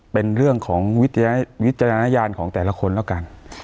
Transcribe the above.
เป็นเรื่องของวิจารณญาณของแต่ละคนแล้วกัน